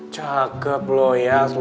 cakep loh ya